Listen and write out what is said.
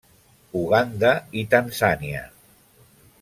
Uganda i Tanzània.